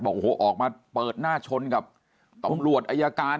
บอกโอ้โหออกมาเปิดหน้าชนกับตำรวจอายการ